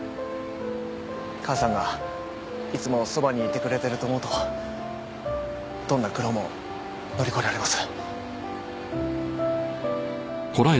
母さんがいつもそばにいてくれてると思うとどんな苦労も乗り越えられます。